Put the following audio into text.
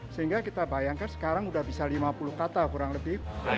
sehingga kita bayangkan sekarang sudah bisa lima puluh kata kurang lebih